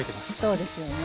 そうですよね。